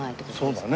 そうだね。